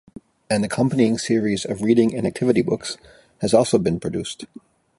An accompanying series of reading and activity books has also been produced.